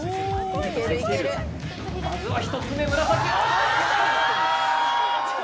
まずは１つ目紫あー！